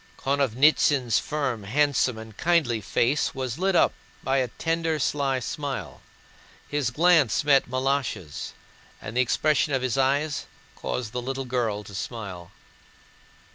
Konovnítsyn's firm, handsome, and kindly face was lit up by a tender, sly smile. His glance met Malásha's, and the expression of his eyes caused the little girl to smile.